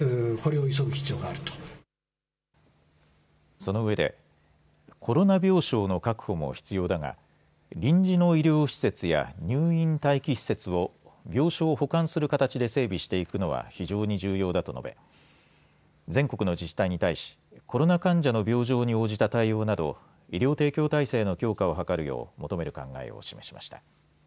そのうえでコロナ病床の確保も必要だが臨時の医療施設や入院待機施設を病床を補完する形で整備していくのは非常に重要だと述べ全国の自治体に対し、コロナ患者の病状に応じた対応など医療提供体制の強化を図るよう求める考えを示しました。